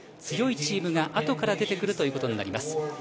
強いチームが後から出てくるということになります。